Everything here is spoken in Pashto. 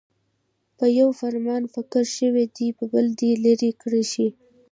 په يوه فرمان مقرر شوي دې په بل دې لیرې کړل شي.